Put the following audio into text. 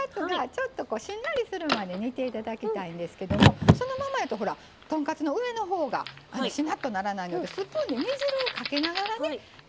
ちょっとしんなりするまで煮て頂きたいんですけどもそのままやとほら豚カツの上のほうがしなっとならないのでスプーンで煮汁をかけながらね炊いて下さい。